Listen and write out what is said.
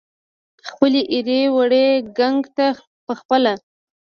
خپلې ایرې وړي ګنګ ته پخپله